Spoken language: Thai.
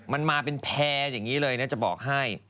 มันมาเป็นแพร่อย่างนี้เลยนะจะบอกให้